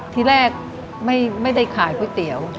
ที่แรกไม่ได้ขายก๋วยเตี๋ยว